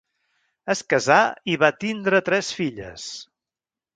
Es casà i va tindre tres filles.